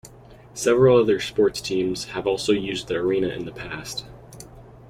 Several other sports teams have also used the arena in the past.